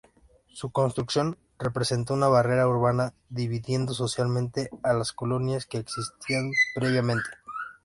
Su construcción representó una barrera urbana dividiendo socialmente a las colonias que existían previamente.